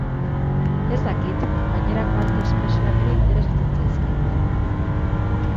Ez dakit, gainerako arte espresioak ere interesatzen zaizkit.